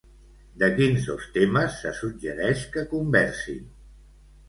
De quins dos temes se suggereix que conversin?